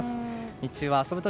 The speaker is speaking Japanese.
日中は遊ぶ時